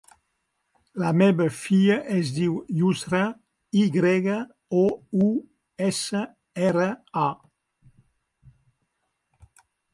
La meva filla es diu Yousra: i grega, o, u, essa, erra, a.